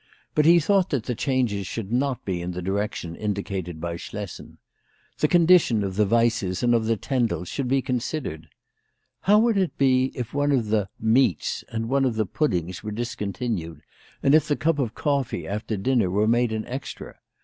But he thought that the changes should not be in the direction indicated by Schlessen. The con dition of the Weisses and of the Tendels should be considered. How would it be if one of the "meats' 7 and one of the puddings were discontinued, and if the cup of coffee after dinner were made an extra